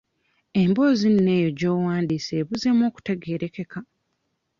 Emboozi nno eyo gy'owandiise ebuzeemu okutegeerekeka.